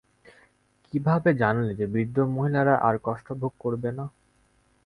কীভাবে জানলে যে বৃদ্ধ মহিলারা আর কষ্টভোগ করবে না?